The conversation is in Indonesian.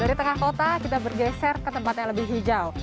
dari tengah kota kita bergeser ke tempat yang lebih hijau